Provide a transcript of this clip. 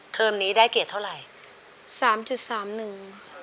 นี้ได้เกรดเท่าไหร่สามจุดสามหนึ่ง